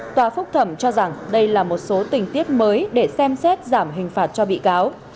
tòa phúc thẩm cho rằng đây là một số tình tiết mới để xem xét giảm hình phạt cho bị cáo